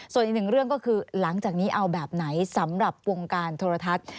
ส่วนอีกหนึ่งเรื่องก็คือหลังจากนี้เอาแบบไหนสำหรับวงการโทรทัศน์